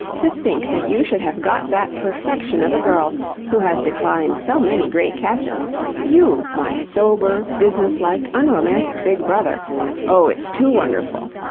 To think that you should have got that perfection of a girl, who has declined so many great catches YOU, my sober, business like, unromantic big brother oh, it's too wonderful!